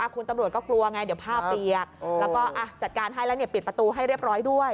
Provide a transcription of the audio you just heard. คุณตำรวจก็กลัวไงเดี๋ยวผ้าเปียกแล้วก็จัดการให้แล้วปิดประตูให้เรียบร้อยด้วย